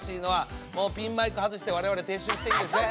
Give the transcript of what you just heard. もうピンマイク外して我々撤収していいですね？